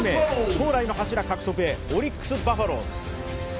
将来の柱獲得へオリックス・バファローズ。